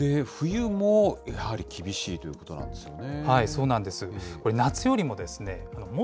冬も、やはり厳しいということなんですよね。